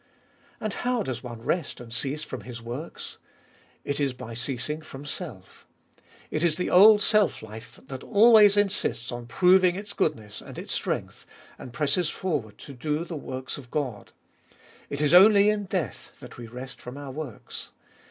And how does one rest and cease from his works ? It is by ceasing from self. It is the old self life that always insists upon proving its goodness and its strength, and presses forward to do the works of God. It is only in death that we rest from our works.